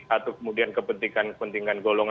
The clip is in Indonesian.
atau kemudian kepentingan kepentingan golongan